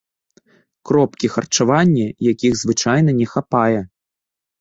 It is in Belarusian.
Кропкі харчавання, якіх звычайна не хапае.